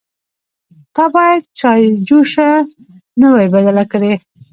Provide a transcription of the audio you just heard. _تا بايد چايجوشه نه وای بدله کړې.